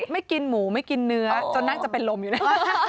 ไม่กินหมูไม่กินเนื้อจนนั่งจะเป็นลมอยู่นะ